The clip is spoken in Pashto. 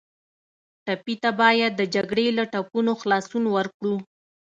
ټپي ته باید د جګړې له ټپونو خلاصون ورکړو.